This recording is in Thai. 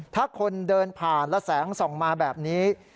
ถ้าคนเดินผ่านและแสงส่องมาแบบนี้